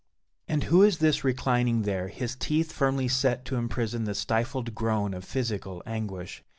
And who is this reclining there, his teeth firmly set to imprison the stifled groan of physical anguish?